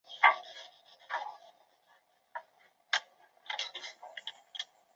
短叶赤车为荨麻科赤车属下的一个种。